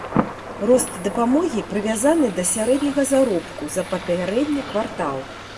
Рост дапамогі прывязаны да сярэдняга заробку за папярэдні квартал.